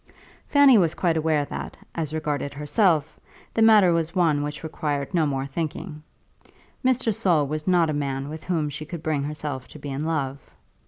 Fanny was quite aware that as regarded herself, the matter was one which required no more thinking. Mr. Saul was not a man with whom she could bring herself to be in love.